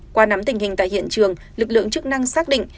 qua nắm tình hình tại hiện trường lực lượng chức năng xác định